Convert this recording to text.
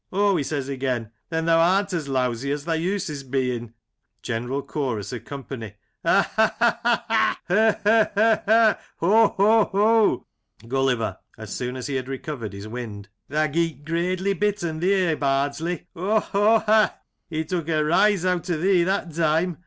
" Oh," he says again, " then thou am't as lousy as tha uses bein?" General Chorus of Company : Ha ! ha ! ha ! He f he ! he ! Ho 1 ho ! ho ! Gulliver (as soon as he had recovered his wind) : Tha geet gradely bitten theer, Bardsley. Ho ! ho ! ha ! He took a rise out o' thee that time.